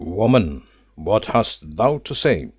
"Woman, what hast thou to say?"